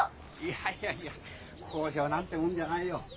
いやいや高尚なんてもんじゃないよ。